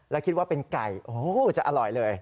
แล้วคิดว่าเป็นไก่โอ้โหจะอร่อยเลย